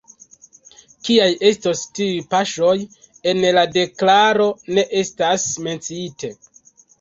Kiaj estos tiuj paŝoj, en la deklaro ne estas menciite.